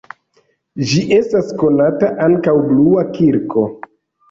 Ĝi estas konata ankaŭ blua kirko.